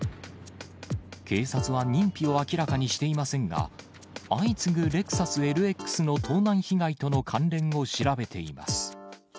警察は認否を明らかにしていませんが、相次ぐレクサスＬＸの盗難被害との関連を調べています。